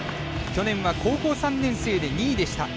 去年は高校３年生で２位でした。